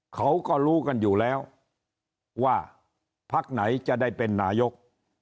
เขาก็รู้กันอยู่แล้วว่าพักไหนจะได้เป็นนายก